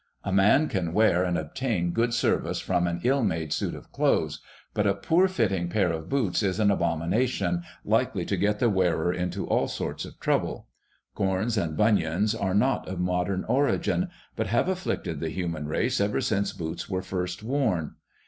A man can wear and obtain good service from an ill made suit of clothes, but a poor fitting pair of boots is an abomination likely to get the wearer into all sorts of trouble. Corns and bunions are not of modern origin, but have afflicted the human race ever since boots were first worn.